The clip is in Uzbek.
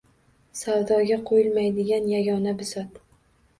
Savdoga qoʻyilmaydigan yagona bisot